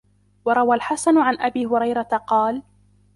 وَرَوَى الْحَسَنُ عَنْ أَبِي هُرَيْرَةَ قَالَ